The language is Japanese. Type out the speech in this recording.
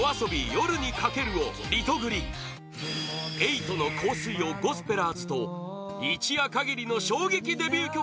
「夜に駆ける」をリトグリ瑛人の「香水」をゴスペラーズと一夜限りの衝撃デビュー曲